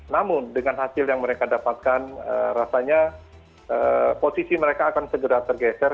namun dengan hasil yang mereka dapatkan rasanya posisi mereka akan segera tergeser